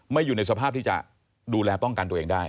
อยู่ในสภาพที่จะดูแลป้องกันตัวเองได้